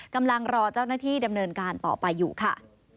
กำลังรอเจ้าหน้าที่ดำเนินการต่อไปอยู่ค่ะ